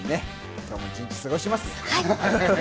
今日も一日過ごします。